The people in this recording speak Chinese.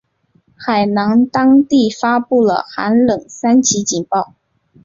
海南当地发布了寒冷三级警报。